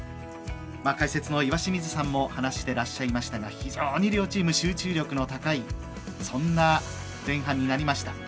解説の岩清水さんも話していらっしゃいましたが非常に両チーム、集中力の高いそんな前半になりました。